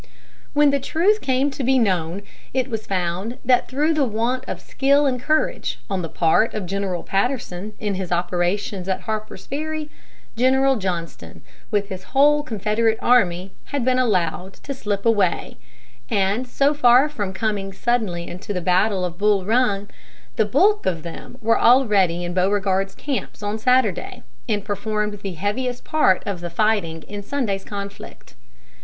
When the truth came to be known, it was found that through the want of skill and courage on the part of General Patterson in his operations at Harper's Ferry, General Johnston, with his whole Confederate army, had been allowed to slip away; and so far from coming suddenly into the battle of Bull Run, the bulk of them were already in Beauregard's camps on Saturday, and performed the heaviest part of the fighting in Sunday's conflict.